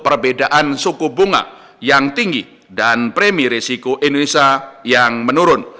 perbedaan suku bunga yang tinggi dan premi risiko indonesia yang menurun